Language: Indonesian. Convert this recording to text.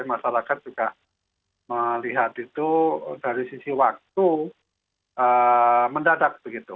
masyarakat juga melihat itu dari sisi waktu mendadak begitu